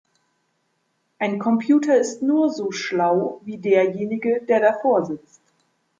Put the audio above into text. Ein Computer ist nur so schlau, wie derjenige, der davor sitzt!